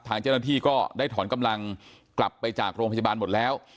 ทางเจ้าหน้าที่ก็ได้ถอนกำลังกลับไปจากโรงพยาบาลหมดแล้ว